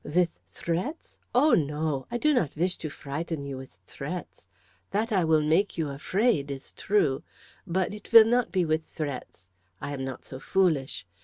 "With threats? Oh, no! I do not wish to frighten you with threats. That I will make you afraid, is true, but it will not be with threats I am not so foolish.